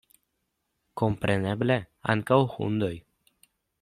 Kompreneble, ankaŭ hundoj.